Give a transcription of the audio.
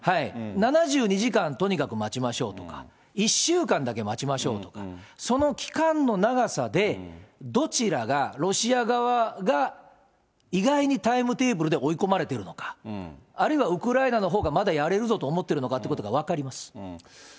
７２時間、とにかく待ちましょうとか、１週間だけ待ちましょうとか、その期間の長さで、どちらがロシア側が意外にタイムテーブルで追い込まれているのか、あるいはウクライナのほうがまだやれるぞって思ってるのかっていうのが分かります。